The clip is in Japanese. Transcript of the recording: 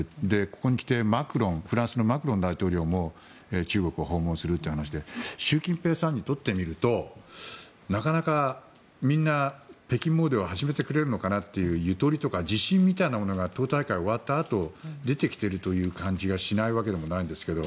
ここに来てフランスのマクロン大統領も中国を訪問するという話で習近平さんにとってみるとなかなか、みんな北京詣でを始めてくれるのかなというゆとりとか自信みたいなものが党大会終わったあと出てきているという感じがしないわけでもないんですけど。